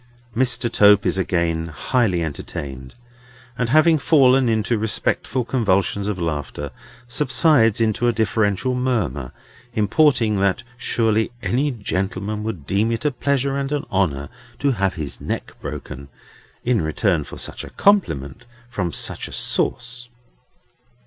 Mr. Tope is again highly entertained, and, having fallen into respectful convulsions of laughter, subsides into a deferential murmur, importing that surely any gentleman would deem it a pleasure and an honour to have his neck broken, in return for such a compliment from such a source.